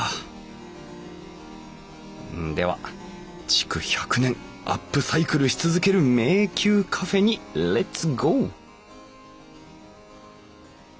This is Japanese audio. では「築１００年アップサイクルし続ける迷宮カフェ」にレッツゴー！